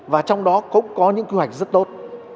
và trong đó cũng có những quy hoạch rất tốt